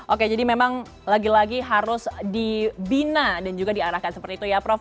oke jadi memang lagi lagi harus dibina dan juga diarahkan seperti itu ya prof